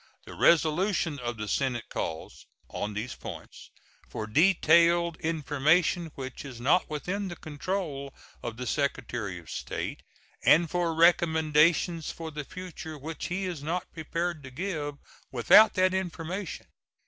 The resolution of the Senate calls, on these points, for detailed information which is not within the control of the Secretary of State, and for recommendations for the future which he is not prepared to give without that information.